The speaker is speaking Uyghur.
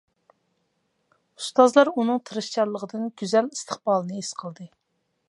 ئۇستازلار ئۇنىڭ تىرىشچانلىقىدىن گۈزەل ئىستىقبالىنى ھېس قىلدى.